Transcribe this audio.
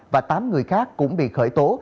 và tám người khác cũng bị khởi tố